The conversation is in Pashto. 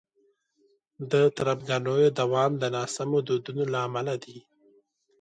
د تربګنیو دوام د ناسمو دودونو له امله دی.